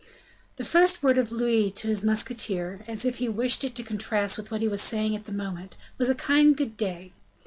The first word of Louis to his musketeer, as if he wished it to contrast with what he was saying at the moment, was a kind "good day."